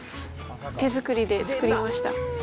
手作りで作りました。